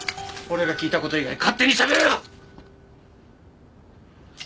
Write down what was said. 俺が聞いた事以外勝手にしゃべるな！